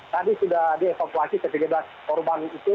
tadi sudah dievakuasi ke tiga belas korban itu